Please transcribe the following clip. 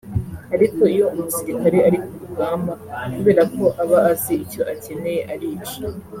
ariko iyo umusirikare ari ku rugamba kubera ko aba azi icyo akeneye arica